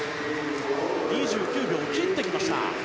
２９秒を切ってきました。